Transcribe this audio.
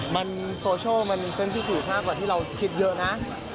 มันโซเชียลมันเป็นที่ถูกมากกว่าที่เราคิดเยอะนะ